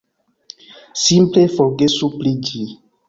Simple forgesu pri ĝi!